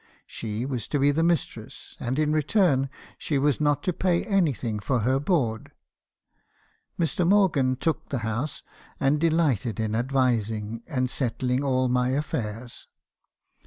She was to be the mistress, and in return, she was not to pay anything for her board. Mr. Morgan took the house, and delighted in ad vising, and settling all my affairs.